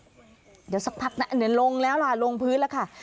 เดี๋ยวสักพักนะอันนี้ลงแล้วล่ะลงพื้นแล้วค่ะ